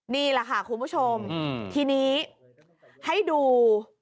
นี่แหละค่ะคุณผู้ชมทีนี้ให้ดู